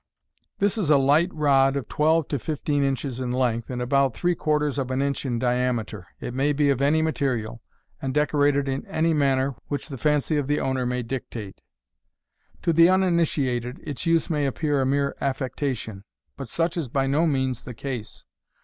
This is a light rod of twelve to fifteen inches in length, and about three quarters of an inch in diameter. It may be of any material, and decorated in any manner which the fancv of the owner may die MODERN MAGIC. tate. To the uninitiated its use may appear a mere affectation, but such is by no means the case.